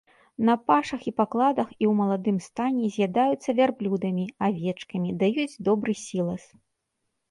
На пашах і пакладах і у маладым стане з'ядаюцца вярблюдамі, авечкамі, даюць добры сілас.